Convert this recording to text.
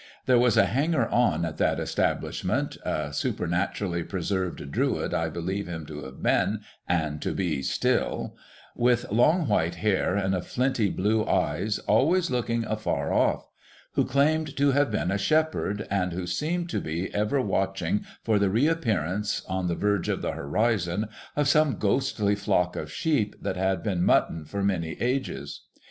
There was a hanger on at that establishment (a super naturally preserved Druid I believe him to have been, and to be still), with long white hair, and a flinty blue eye always looking afar off; who claimed to have been a shepherd, and who seemed to be ever watching for the reappearance, on the verge of the horizon, of some ghostly flock of sheep that had been mutton for many ages.